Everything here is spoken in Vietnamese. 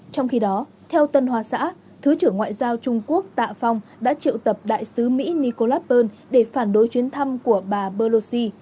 trong khi đó theo tân hoa xã thứ trưởng ngoại giao trung quốc tạ phong đã triệu tập đại sứ mỹ nikolapperl để phản đối chuyến thăm của bà belosi